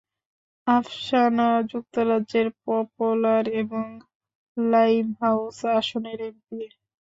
আপসানা যুক্তরাজ্যের পপলার এবং লাইমহাউস আসনের এমপি।